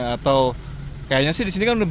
atau kayaknya sih disini kan banyak